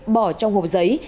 bỏ trong hộp giấy